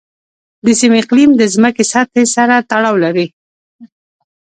د سیمې اقلیم د ځمکې سطحې سره تړاو لري.